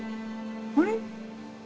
あれ？